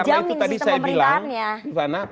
untuk terjamin sistem pemerintahannya